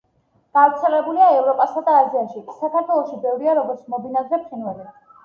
გავრცელებულია ევროპასა და აზიაში; საქართველოში ბევრია, როგორც მობინადრე ფრინველი.